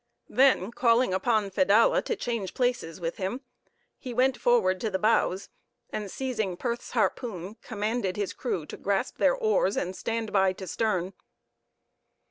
Then, calling upon Fedallah to change places with him, he went forward to the bows, and seizing Perth's harpoon, commanded his crew to grasp their oars and stand by to stern.